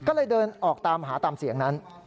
ก็เลยเดินออกตามหาตามเสียงนั้น